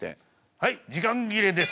はい時間切れですね。